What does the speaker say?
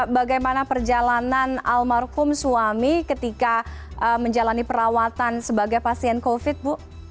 bagaimana perjalanan almarhum suami ketika menjalani perawatan sebagai pasien covid sembilan belas ibu